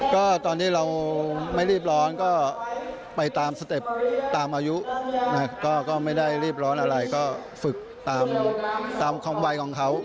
ก็ตอนที่เราไม่รีบร้อนก็ไปตามสเต็ปตามอายุก็ไม่ได้รีบร้อนอะไรก็ฝึกตามคำวัยของเขา